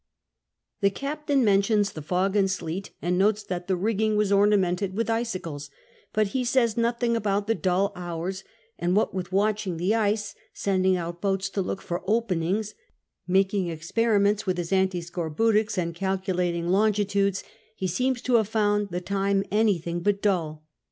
The captain mentions the fog and sleet, and notes that the rigging was ornamented with icicles, but he says nothing about the dull houra ; and what with watch ing the ice, sending out boats to look for openings, making experiments with his antiscorbutics, and calcu lating longitudes, he seems to have found the time any thing but dull.